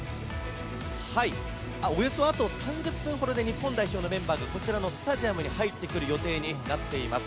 およそあと３０分ほどで、日本代表のメンバーがこちらのスタジアムに入ってくる予定になっています。